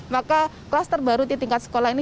maka kluster baru di tingkat sekolah ini